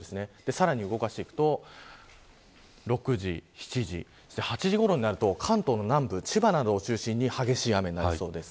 さらに動かしていくと８時ごろになると、関東の南部千葉などを中心に激しい雨になりそうです。